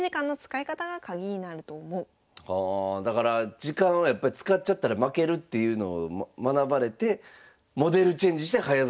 ああだから時間はやっぱ使っちゃったら負けるっていうのを学ばれてモデルチェンジして早指しになったってことですかね。